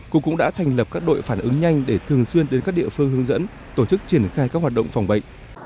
cục cũng đã thành lập các đội phản ứng nhanh để thường xuyên đến các địa phương hướng dẫn tổ chức triển khai các hoạt động phòng bệnh